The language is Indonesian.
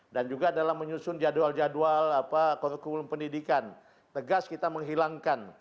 dan juga dalam menyusun jadwal jadwal kurikulum pendidikan tegas kita menghilangkan